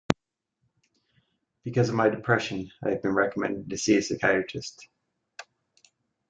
Because of my depression, I have been recommended to see a psychiatrist.